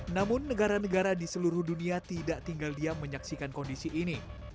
namun negara negara di seluruh dunia tidak tinggal diam menyaksikan kondisi ini